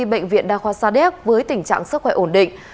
bệnh viện đa khoa sa đéc với tình trạng sức khỏe ổn định